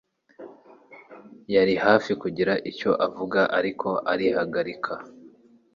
yari hafi kugira icyo avuga, ariko arihagarika.